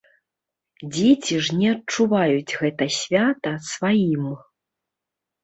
Дзеці ж не адчуваюць гэта свята сваім.